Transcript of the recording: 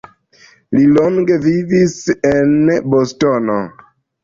Li longe vivis en Bostono.